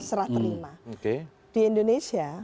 serah terima di indonesia